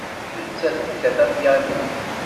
Nettat tekkat apyanu.